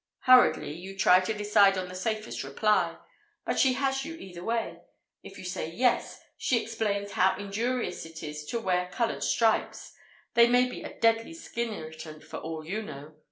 Hurriedly you try to decide on the safest reply. But she has you either way! If you say Yes, she explains how injurious it is to wear coloured stripes; they may be a deadly skin irritant, for all you know.